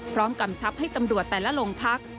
พร้อมกำชับให้ตำรวจแต่ละลงพัก